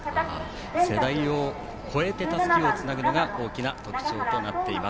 世代を超えてたすきをつなぐのが大きな特徴となっています。